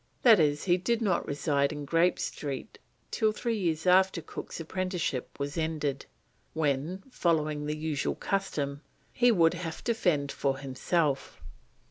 That is, he did not reside in Grape Street till three years after Cook's apprenticeship was ended, when, following the usual custom, he would have to fend for himself.